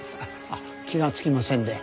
あっ気がつきませんで。